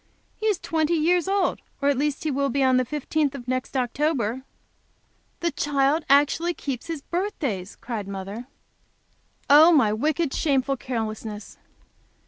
He is twenty years old; or at least he will be on the fifteenth of next October." "The child actually keeps his birthdays!" cried mother. "Oh, my wicked, shameful carelessness."